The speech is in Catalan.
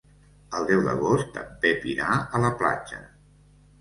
El deu d'agost en Pep irà a la platja.